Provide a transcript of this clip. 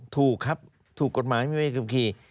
ถูกครับถูกกฎหมายไม่มีใบขับขี่